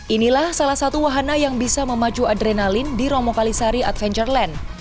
inilah salah satu wahana yang bisa memacu adrenalin di romo kalisari adventureland